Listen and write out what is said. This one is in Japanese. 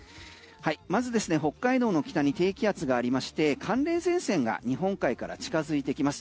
まずですね北海道の北に低気圧がありまして寒冷前線が日本海から近づいてきます。